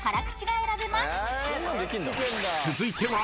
［続いては］